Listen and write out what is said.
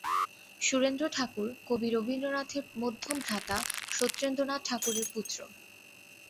সুরেন্দ্র ঠাকুর কবি রবীন্দ্রনাথের মধ্যম ভ্রাতা সত্যেন্দ্রনাথ ঠাকুরের পুত্র।